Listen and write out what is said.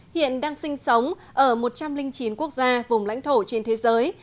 hiện đang sinh sống ở một trăm linh chín quốc gia vùng lãnh thổ trên thế giới